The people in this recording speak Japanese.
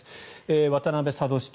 渡辺佐渡市長。